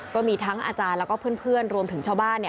ก็มีทั้งอาจารย์แล้วก็เพื่อนรวมถึงชาวบ้าน